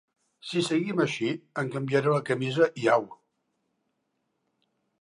Si seguim així em canviaré de camisa i au.